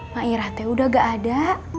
mak irah teh udah nggak ada